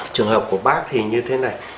trường hợp của bác thì như thế này